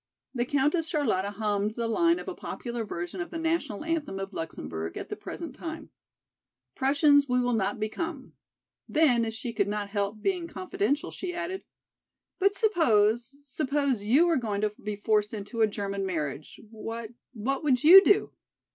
The Countess Charlotta hummed the line of a popular version of the national anthem of Luxemburg at the present time. "Prussians will we not become." Then as she could not help being confidential she added: "But suppose, suppose you were going to be forced into a German marriage, what, what would you do?